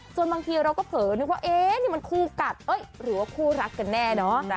จนบางทีเราก็เผย์นึกว่านี่คู่กัดหรือว่าคู่รักำ่แน่หน่อนนะ